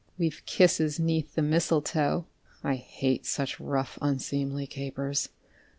_) We've kisses 'neath the mistletoe (_I hate such rough, unseemly capers!